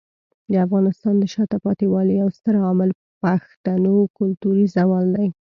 د افغانستان د شاته پاتې والي یو ستر عامل پښتنو کلتوري زوال دی.